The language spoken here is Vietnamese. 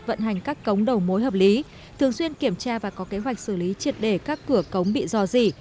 vận hành các cống đầu mối hợp lý thường xuyên kiểm tra và có kế hoạch xử lý triệt để các cửa cống bị dò dỉ